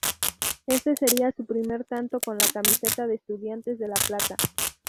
Este sería su primer tanto con la camiseta de Estudiantes de la Plata.